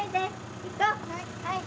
はい。